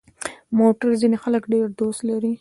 موټر ځینې خلک ډېر دوست لري.